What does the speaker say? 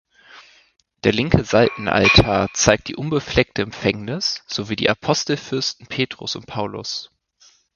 Der linke Seitenaltar zeigt die Unbefleckte Empfängnis, sowie die Apostelfürsten Petrus und Paulus.